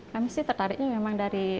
kami sih tertariknya memang dari